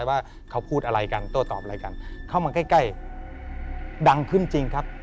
ว่าเขาพูดอะไรกันโต้ตอบอะไรกันเข้ามาใกล้ดังขึ้นจริงครับ